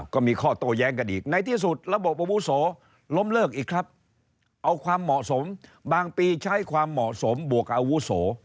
ก็มีข้อโต้แย้งกันอีกในที่สุดระบบอาวุโสล้มเลิกอีกครับเอาความเหมาะสมบางปีใช้ความเหมาะสมบวกอาวุโส